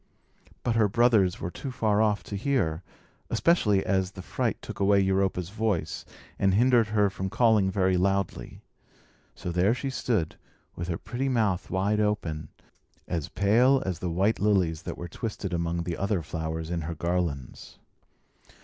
But her brothers were too far off to hear; especially as the fright took away Europa's voice, and hindered her from calling very loudly. So there she stood, with her pretty mouth wide open, as pale as the white lilies that were twisted among the other flowers in her garlands.